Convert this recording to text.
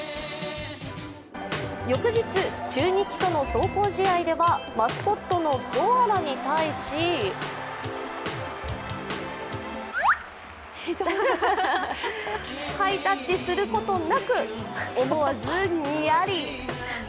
翌日、中日との壮行試合ではマスコットのドアラに対しハイタッチすることなく、思わず、にやり。